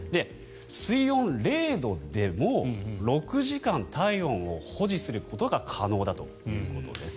水温０度でも６時間６時間、体温を保持することが可能だということです。